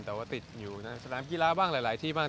แต่ว่าติดอยู่ในสนามกีฬาบ้างหลายที่บ้าง